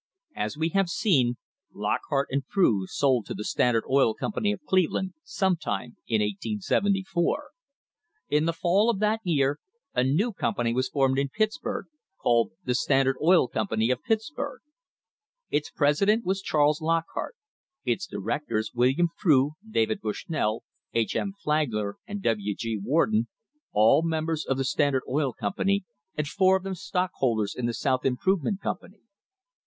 * As we have seen, Lockhart and Frew sold to the Standard Oil Company of Cleveland some time in 1874. In the fall of that year a new company was formed in Pittsburg, called the Standard Oil Company of Pittsburg. Its president was Charles Lock hart; its directors William Frew, David Bushnell, H. M. Flagler, and W. G. Warden — all members of the Standard Oil Company and four of them stockholders in the South Im provement Company.